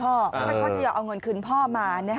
ถ้าเขาจะเอาเงินคืนพ่อมา